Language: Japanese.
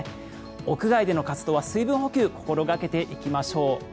屋外での活動は水分補給心掛けていきましょう。